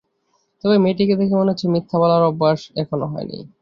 তবে মেয়েটিকে দেখে মনে হচ্ছে মিথ্যা বলার অভ্যাস এখনো হয় নি।